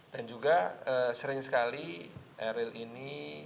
dan juga sering sekali eril ini